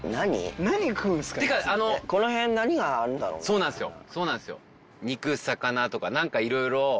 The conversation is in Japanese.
そうなんすよ。